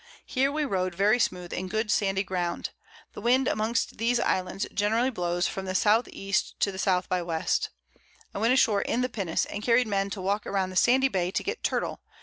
Here we rode very smooth in good sandy Ground; the Wind amongst these Islands generally blows from the S. E. to the S. by W. I went ashore in the Pinnace, and carried Men to walk round the Sandy Bay to get Turtle.